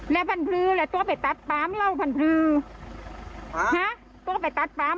แล้วพันฟือและตัวไปตั๊กป๊ามเลยพันฟือห้ะตั๋วก็ไปตั๊กป๊าม